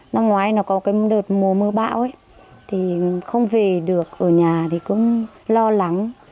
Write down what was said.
năm ngoái nó có cái đợt mùa mưa bão thì không về được ở nhà thì cũng lo lắng